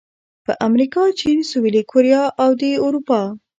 په امریکا، چین، سویلي کوریا او د اروپا